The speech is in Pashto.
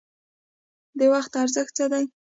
د وخت ارزښت څه دی؟